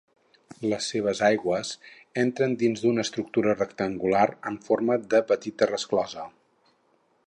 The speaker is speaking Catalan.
Les seves aigües entren dins d’una estructurar rectangular en forma de petita resclosa.